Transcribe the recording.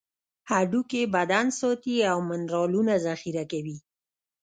هډوکي بدن ساتي او منرالونه ذخیره کوي.